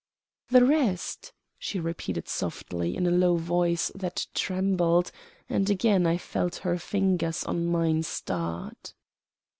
"The rest?" she repeated softly in a low voice that trembled; and again I felt her fingers on mine start.